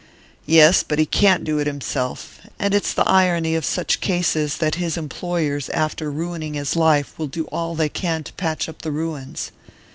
"Yes, but he can't do it himself; and it's the irony of such cases that his employers, after ruining his life, will do all they can to patch up the ruins."